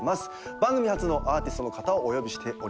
番組初のアーティストの方をお呼びしております。